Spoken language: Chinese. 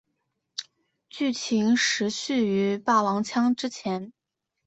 剧情时序于霸王枪之前。